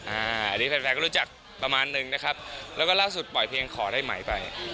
อันนี้แฟนก็รู้จักประมาณนึงนะครับแล้วก็ล่าสุดปล่อยเพียงขอได้ไหมไป